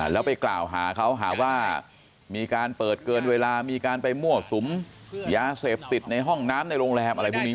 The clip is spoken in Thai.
แล้วไปกล่าวหาเขาหาว่ามีการเปิดเกินเวลามีการไปมั่วสุมยาเสพติดในห้องน้ำในโรงแรมอะไรพวกนี้